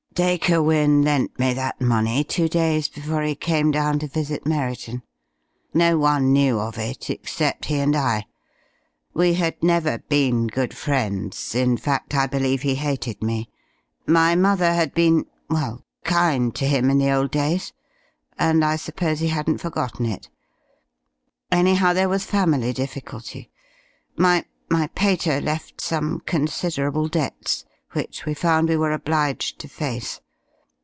"Dacre Wynne lent me that money two days before he came down to visit Merriton. No one knew of it, except he and I. We had never been good friends in fact, I believe he hated me. My mother had been well, kind to him in the old days, and I suppose he hadn't forgotten it. Anyhow, there was family difficulty. My my pater left some considerable debts which we found we were obliged to face.